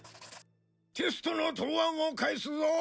テストの答案を返すぞ。